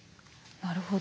なるほど。